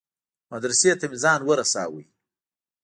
مدرسې ته مې ځان ورساوه.